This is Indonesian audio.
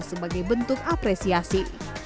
sebagai bentuk apresiasi